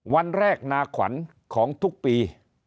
วันแรกนาขวัญของทุกปี